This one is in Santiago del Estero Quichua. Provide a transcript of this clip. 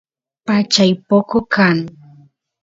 pachay poco kan